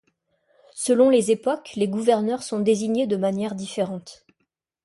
Selon les époques, les gouverneurs sont désignés de manière différentes.